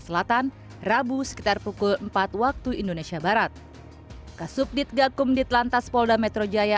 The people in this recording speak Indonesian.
selatan rabu sekitar pukul empat waktu indonesia barat kasubdit gakum ditlantas polda metro jaya